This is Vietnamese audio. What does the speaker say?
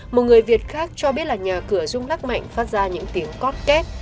một người việt khác cho biết là nhà cửa rung lắc mạnh phát ra những tiếng cót két